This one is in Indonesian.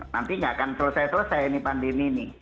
nanti nggak akan selesai selesai ini pandemi ini